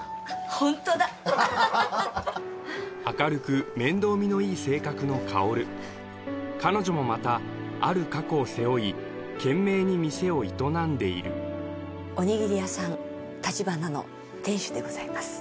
ホントだ明るく面倒見のいい性格の香彼女もまたある過去を背負い懸命に店を営んでいるおにぎり屋さんたちばなの店主でございます